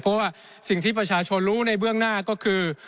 เพราะว่าสิ่งที่ประชาชนรู้ในเบื้องหน้าก็คือ